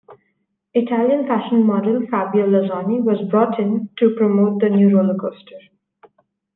Italian fashion model Fabio Lanzoni was brought in to promote the new roller coaster.